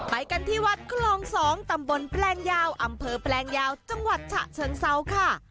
ไปกันที่วัดคลอง๒ตำบลแปลงยาวอำเภอแปลงยาวจังหวัดฉะเชิงเซาค่ะ